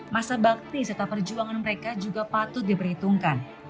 masa bakti serta perjuangan mereka juga patut diperhitungkan